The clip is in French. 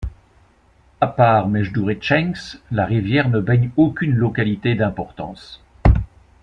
À part Mejdouretchensk, la rivière ne baigne aucune localité d'importance.